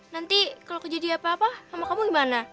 nanti kalau kejadi apa apa sama kamu gimana